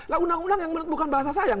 nah undang undang yang bukan bahasa sayang